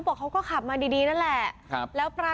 ไปแล้ว